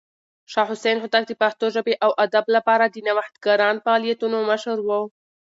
شاه حسين هوتک د پښتو ژبې او ادب لپاره د نوښتګران فعالیتونو مشر و.